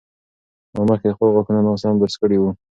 ما مخکې خپل غاښونه ناسم برس کړي وو.